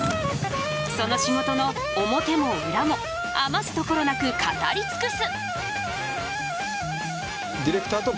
その仕事の表も裏も余すところなく語り尽くす。